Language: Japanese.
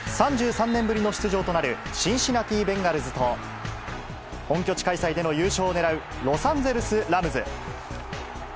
３３年ぶりの出場となるシンシナティ・ベンガルズと本拠地開催での優勝を狙うロサンゼルス・ラムズ。